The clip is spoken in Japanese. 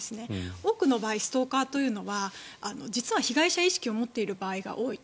多くの場合ストーカーというのは実は被害者意識を持っている場合が多いと。